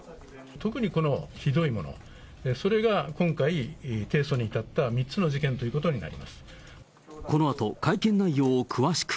特にこのひどいもの、それが今回、提訴に至った３つの事件とこのあと会見内容を詳しく。